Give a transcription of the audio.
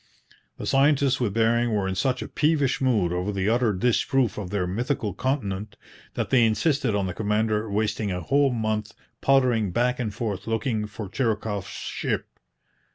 The scientists with Bering were in such a peevish mood over the utter disproof of their mythical continent that they insisted on the commander wasting a whole month pottering back and forth looking for Chirikoff's ship.